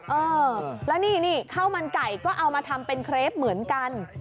เออแล้วนี่ข้าวมันไก่ก็เอามาทำเป็นเครปเหมือนกัน